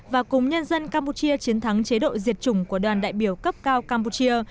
và cùng nhân dân campuchia chiến thắng chế độ diệt chủng của đoàn đại biểu cấp cao campuchia